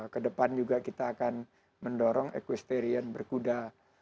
kedepan juga kita akan mendorong equestrian berkuda